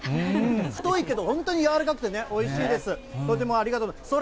太いけど、本当に柔らかくてね、おいしいです。